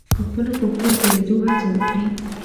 په خپلو پښو د درېدو هڅه وکړي.